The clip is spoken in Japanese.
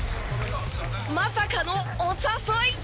まさかのお誘い！